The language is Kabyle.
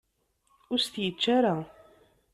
Ur as-t-yečči ara.